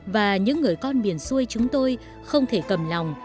và những người con miền xuôi chúng tôi không thể cầm lòng